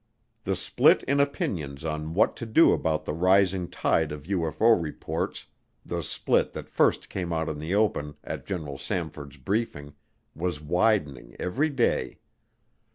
The split in opinions on what to do about the rising tide of UFO reports, the split that first came out in the open at General Samford's briefing, was widening every day.